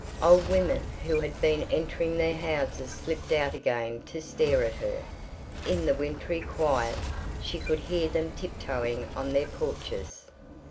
Old women who had been entering their houses slipped out again to stare at her in the wintry quiet she could hear them tiptoeing on their porches.